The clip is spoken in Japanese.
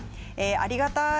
ありがたい。